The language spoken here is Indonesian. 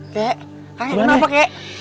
kakek kenapa kakek